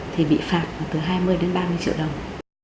thì bị phạt từ hai mươi đến ba mươi triệu đồng